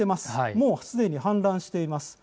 もうすでに氾濫しています。